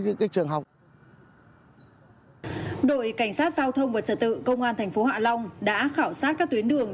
đội cảnh sát giao thông và trật tự công an tp hạ long đã khảo sát các tuyến đường